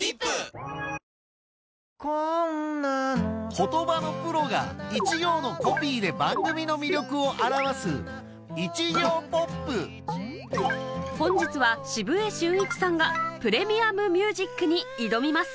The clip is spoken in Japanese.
言葉のプロが一行のコピーで番組の魅力を表す本日は澁江俊一さんが『ＰｒｅｍｉｕｍＭｕｓｉｃ』に挑みます